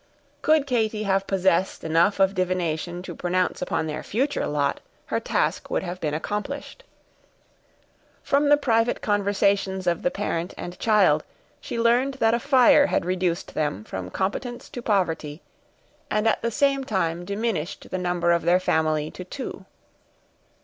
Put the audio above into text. Could Katy have possessed enough of divination to pronounce upon their future lot, her task would have been accomplished. From the private conversations of the parent and child, she learned that a fire had reduced them from competence to poverty, and at the same time diminished the number of their family to two.